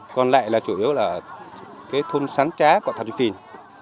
còn lại là chủ yếu là cái thôn sán trá của thạc trịnh phìn